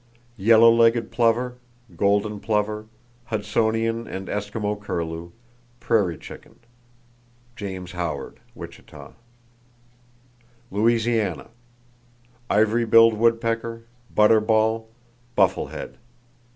Yellow legged plover, golden plover; Hudsonian and Eskimo curlew, prairie chicken.—(James Howard, Wichita.) Louisiana: Ivory billed woodpecker, butterball, bufflehead.